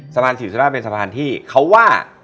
สะพานศรีสุราชเป็นสะพานที่เขาว่า